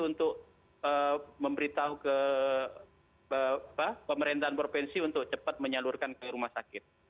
untuk memberitahu ke pemerintahan provinsi untuk cepat menyalurkan ke rumah sakit